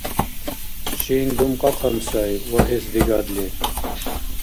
Шин думкьахъан сай, вагьес дигадли.